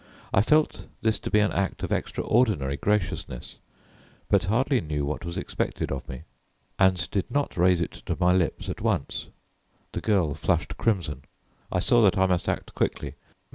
I felt this to be an act of extraordinary graciousness, but hardly knew what was expected of me, and did not raise it to my lips at once. The girl flushed crimson. I saw that I must act quickly.